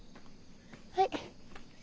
はい。